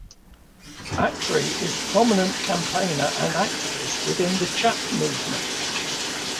Attree is prominent campaigner and activist within the 'Chap movement'.